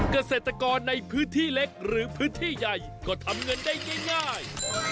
เกษตรกรในพื้นที่เล็กหรือพื้นที่ใหญ่ก็ทำเงินได้ง่าย